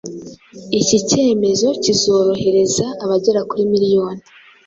Iki cyemezo kizorohereza abagera kuri miliyoni